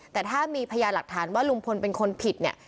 แต่ถ้ามีพยาหลักฐานว่าลุงพลเป็นคนผิดเนี่ย